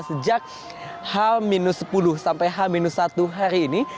sejak h sepuluh sampai h satu hari ini